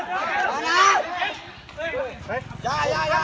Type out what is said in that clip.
พ่อหนูเป็นใคร